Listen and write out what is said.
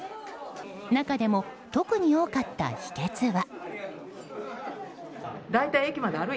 中でも特に多かった秘訣は。